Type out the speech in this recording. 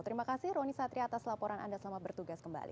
terima kasih roni satri atas laporan anda selamat bertugas kembali